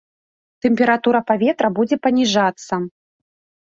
Тэмпература паветра будзе паніжацца.